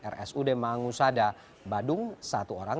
rsud mangusada badung satu orang